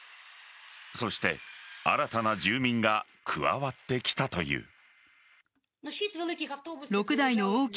そして新たな住民が加わってきたという。